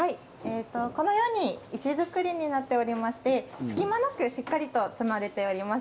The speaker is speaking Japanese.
このように石造りになっておりまして、隙間なくしっかりと積まれております。